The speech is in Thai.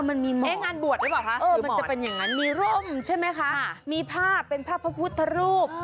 มันมีหมอนมันจะเป็นอย่างนั้นมีร่มใช่ไหมคะมีภาพเป็นภาพพระพุทธรูป